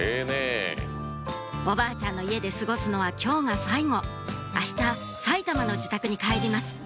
おばあちゃんの家で過ごすのは今日が最後明日埼玉の自宅に帰ります